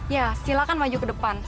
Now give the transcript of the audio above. ya silahkan maju ke depan